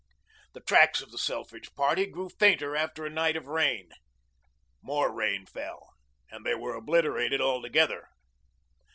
The tracks of the Selfridge party grew fainter after a night of rain. More rain fell, and they were obliterated altogether.